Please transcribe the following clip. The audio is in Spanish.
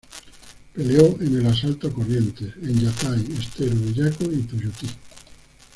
Peleó en el asalto a Corrientes, en Yatay, Estero Bellaco y Tuyutí.